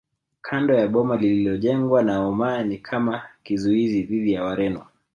Kando ya boma lililojengwa na Omani kama kizuizi dhidi ya Wareno